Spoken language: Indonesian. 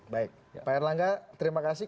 baik pak erlangga terima kasih